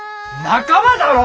仲間だろ！